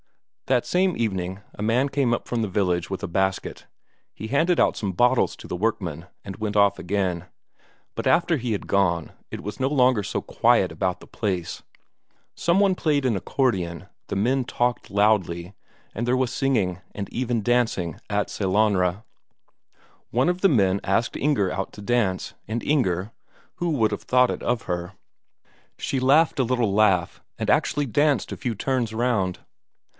That same evening, a man came up from the village with a basket he handed out some bottles to the workmen, and went off again. But after he had gone, it was no longer so quiet about the place; some one played an accordion, the men talked loudly, and there was singing, and even dancing, at Sellanraa. One of the men asked Inger out to dance, and Inger who would have thought it of her? she laughed a little laugh and actually danced a few turns round.